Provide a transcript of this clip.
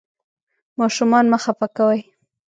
ماشومان مه خفه کوئ.